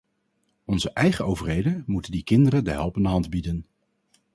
Onze eigen overheden moeten die kinderen de helpende hand bieden.